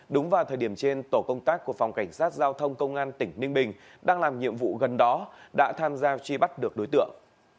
đúng vào thời điểm trên tổ công tác của phòng cảnh sát giao thông công an tỉnh ninh bình đang làm nhiệm vụ gần đó đã tham gia truy bắt được đối tượng